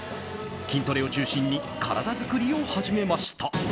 筋トレを中心に体作りを始めました。